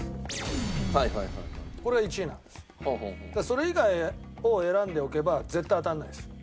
それ以外を選んでおけば絶対当たらないです。